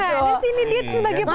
gimana sih nih diet sebagai perempuan